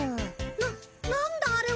ななんだあれは？